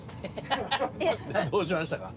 どうしましたか？